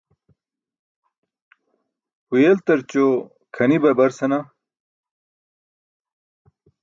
Huyeltarćo kʰani babar senaa.